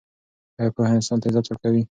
آیا پوهه انسان ته عزت ورکوي؟